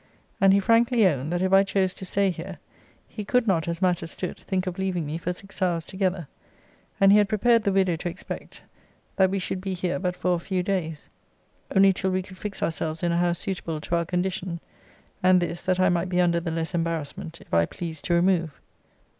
And he frankly owned, that if I chose to stay here, he could not, as matters stood, think of leaving me for six hours together; and he had prepared the widow to expect, that we should be here but for a few days; only till we could fix ourselves in a house suitable to our condition; and this, that I might be under the less embarrassment, if I pleased to remove.